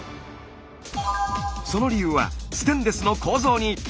その理由はステンレスの構造に。